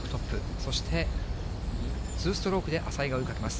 そして２ストロークで淺井が追いかけます。